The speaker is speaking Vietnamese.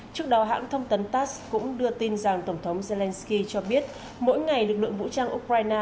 trước đó hãng thông tấn tass cũng đưa tin rằng tổng thống zelenskyy cho biết mỗi ngày lực lượng vũ trang ukraine